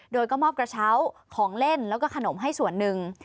โดยก็มอบกระเช้าของเล่นแล้วก็ขนมให้ส่วนหนึ่ง